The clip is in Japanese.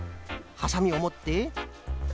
はさみをもって。